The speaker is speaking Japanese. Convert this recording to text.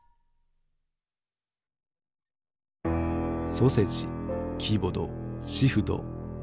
ソセジキボドシフド。